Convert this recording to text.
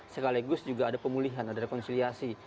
sekaligus juga ada pemulihan ada rekonsiliasi